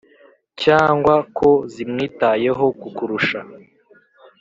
cyangwa ko zimwitayeho kukurusha,